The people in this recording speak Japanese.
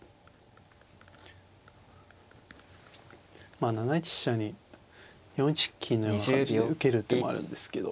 まあ７一飛車に４一金のような感じで受ける手もあるんですけど。